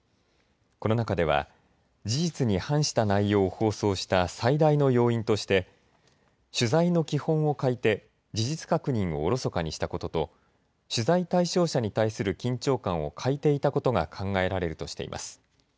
この中では事実に反した内容を放送した最大の要因として取材の基本を欠いて事実確認をおろそかにしたことと取材対象者に対する緊張感を欠いていたことが考えられるとしています。